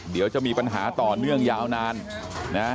เดี๋ยวจะมีปัญหาต่อเนื่องยาวนานนะ